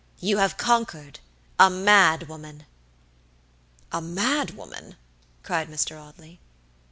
You have conquereda MAD WOMAN!" "A mad woman!" cried Mr. Audley.